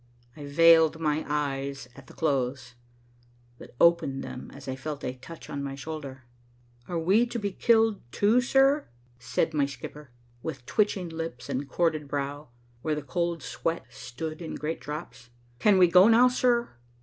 I veiled my eyes at the close, but opened them as I felt a touch on my shoulder. "Are we to be killed too, sir?" said my skipper, with twitching lips and corded brow, where the cold sweat stood in great drops. "Can we go now, sir?"